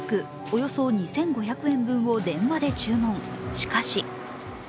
およそ２５００円分を電話で注文。